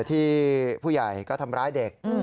ที่ผู้ใหญ่ก็ทำร้ายเด็ก